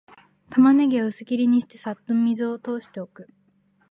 タマネギは薄切りにして、さっと水を通しておく